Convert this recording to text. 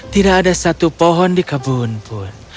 tidak ada satu pohon di kebun pun